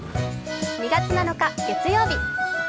２月７日月曜日